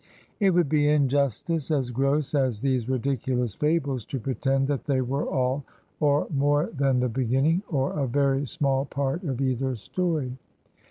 It would be injustice as gross as these ridiculous fables to pretend that they were all,' or more than the beginning, or a very small part of either story.